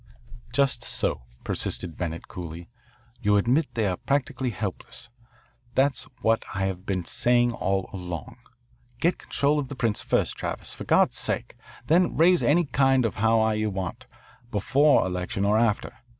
"Just so," persisted Bennett coolly. "You admit that we are practically helpless. That's what I have been saying all along. Get control of the prints first, Travis, for God's sake. Then raise any kind of a howl you want before election or after.